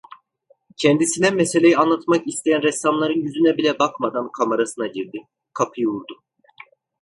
Kendisine meseleyi anlatmak isteyen ressamların yüzüne bile bakmadan kamarasına girdi, kapıyı vurdu.